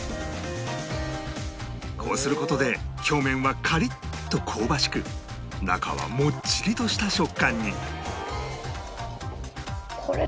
こうする事で表面はカリッと香ばしく中はもっちりとした食感に